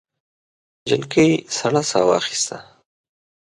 نجلۍ سړه ساه واخیسته.